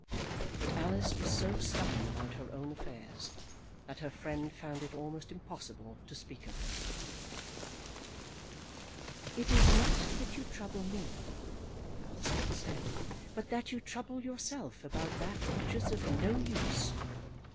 But Alice was so stubborn about her own affairs that her friend found it almost impossible to speak of them. "It is not that you trouble me," Alice once said, "but that you trouble yourself about that which is of no use.